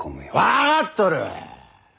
分かっとる！